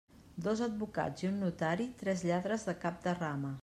Dos advocats i un notari, tres lladres de cap de rama.